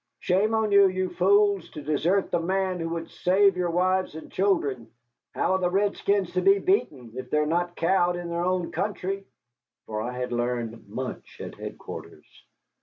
"Shame on you, you fools, to desert the man who would save your wives and children. How are the redskins to be beaten if they are not cowed in their own country?" For I had learned much at headquarters.